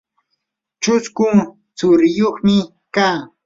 chusku tsuriyuqmi kaa.